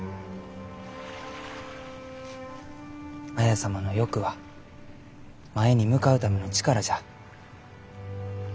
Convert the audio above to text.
綾様の欲は前に向かうための力じゃ。